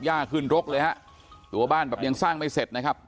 ย่าขึ้นรกเลยฮะตัวบ้านแบบยังสร้างไม่เสร็จนะครับ